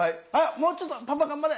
もうちょっとパパ頑張れ！